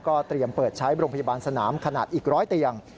เตรียมเปิดใช้โรงพยาบาลสนามขนาดอีก๑๐๐เตียง